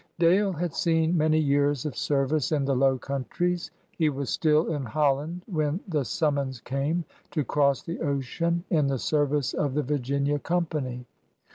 Dale had seen many years of service in the Low Coimtries. He was still in Holland when the sum mons came to cross the ocean in the service of the Virginia G>mpany.